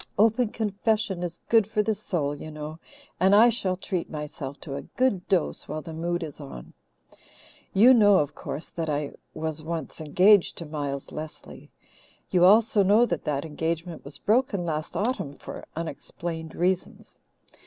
'Open confession is good for the soul,' you know, and I shall treat myself to a good dose while the mood is on. "You know, of course, that I was once engaged to Miles Lesley. You also know that that engagement was broken last autumn for unexplained reasons.